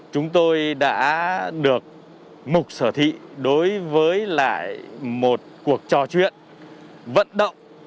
chúng tôi đã được mục sở thị đối với lại một cuộc trò chuyện vận động